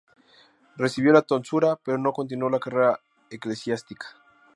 Recibió la tonsura, pero no continuó la carrera eclesiástica.